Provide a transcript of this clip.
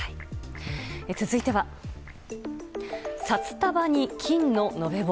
続いては札束に金の延べ棒。